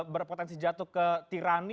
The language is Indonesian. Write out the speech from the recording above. berpotensi jatuh ke tirani